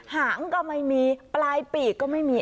หางก็ไม่มีปลายปีกก็ไม่มี